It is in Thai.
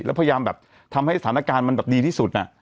แล้วพยายามแบบทำให้สถานการณ์มันแบบดีที่สุด